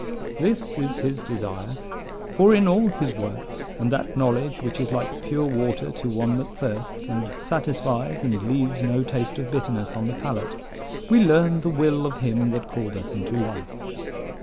This is his desire; for in all his works, and that knowledge which is like pure water to one that thirsts, and satisfies and leaves no taste of bitterness on the palate, we learn the will of him that called us into life.